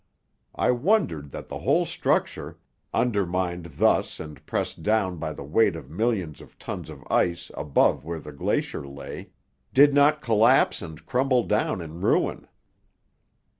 I wondered that the whole structure, undermined thus and pressed down by the weight of millions of tons of ice above where the glacier lay, did not collapse and crumble down in ruin.